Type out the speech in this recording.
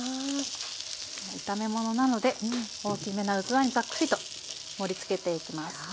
炒め物なので大きめな器にざっくりと盛りつけていきます。